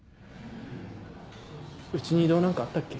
うちに異動なんかあったっけ？